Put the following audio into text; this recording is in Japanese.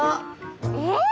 えっ？